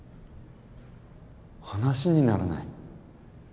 話にならない。